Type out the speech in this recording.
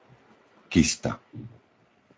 Kysta